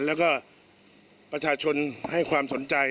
แล้วก็ประชาชนให้ความสนใจ